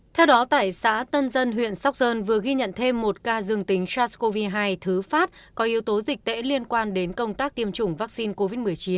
theo đó tại xã tân dân huyện sóc sơn vừa ghi nhận thêm một ca dương tính sars cov hai thứ phát có yếu tố dịch tễ liên quan đến công tác tiêm chủng vaccine covid một mươi chín